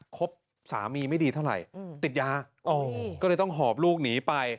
คบสามีไม่ดีเท่าไหร่ติดยาก็เลยต้องหอบลูกหนีไป